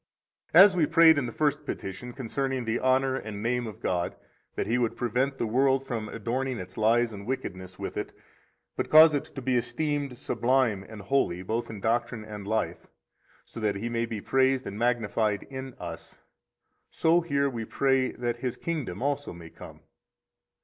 49 As we prayed in the First Petition concerning the honor and name of God that He would prevent the world from adorning its lies and wickedness with it, but cause it to be esteemed sublime and holy both in doctrine and life, so that He may be praised and magnified in us, so here we pray that His kingdom also may come.